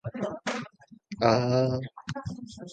For example, a "must-have" is not a verb but a noun.